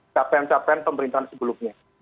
capaian capaian pemerintahan sebelumnya